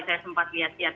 saya sempat lihat lihat